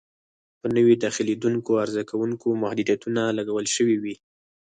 په نویو داخلېدونکو عرضه کوونکو محدودیتونه لګول شوي وي.